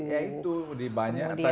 ya itu di banyak tadi